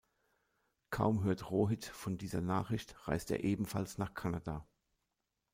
Kaum hört Rohit von dieser Nachricht, reist er ebenfalls nach Kanada.